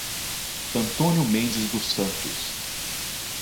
Antônio Mendes dos Santos